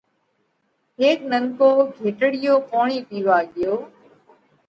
هيڪ ننڪو گھيٽڙِيو پوڻِي پيوا ڳيو۔